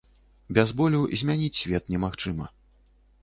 Без болю змяніць свет немагчыма.